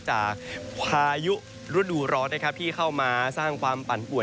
พายุฤดูร้อนนะครับที่เข้ามาสร้างความปั่นป่วน